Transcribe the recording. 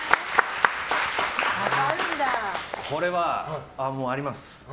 これはあります。